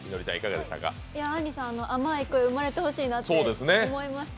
あんりさん、甘い恋生まれてほしいなと思いました。